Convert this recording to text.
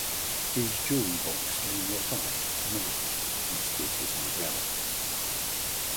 His jewellery box lay nearby unopened as did his umbrella.